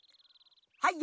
はい。